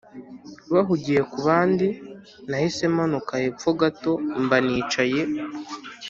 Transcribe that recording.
bahugiye kubandi nahise manuka hepfo gato mba nicaye